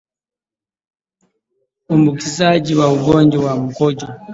Uambukizaji wa ugonjwa wa mkojo